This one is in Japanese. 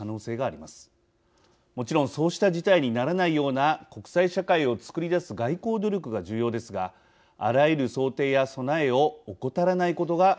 もちろんそうした事態にならないような国際社会をつくり出す外交努力が重要ですがあらゆる想定や備えを怠らないことが必要だと思います。